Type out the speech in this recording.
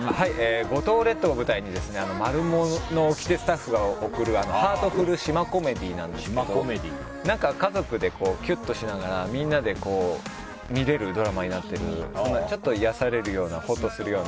五島列島を舞台に「マルモのおきて」スタッフが贈るハートフル島コメディーなんですけど家族でキュッとしながらみんなで見れるドラマになっているのでちょっと癒やされるようなほっとするような。